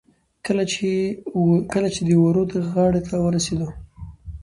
کله چې د ورد غاړې ته ورسېدو.